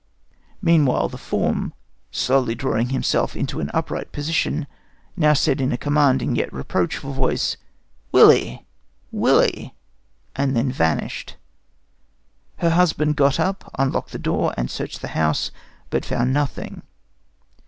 Meanwhile the form, slowly drawing himself into an upright position, now said in a commanding, yet reproachful voice, 'Willie! Willie!' and then vanished." Her husband got up, unlocked the door, and searched the house, but found nothing.